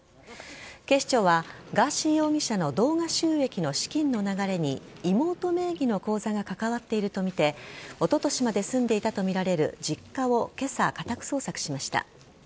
警視庁はガーシー容疑者の動画収益の資金の流れに妹名義の口座が関わっているとみておととしまで住んでいたとみられる実家を今朝、家宅捜索しました。